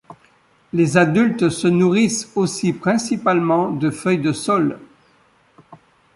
Les adultes se nourrissent aussi principalement de feuilles de saules.